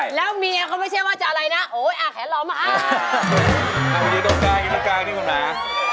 อีกโครงกลางแบบกลางที่ผมนะ